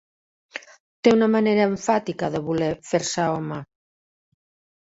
Té una manera emfàtica de voler fer-se home